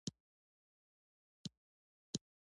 دیکتاتوري د یو خوځښت لخوا ملاتړ کیږي.